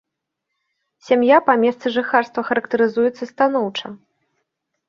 Сям'я па месцы жыхарства характарызуецца станоўча.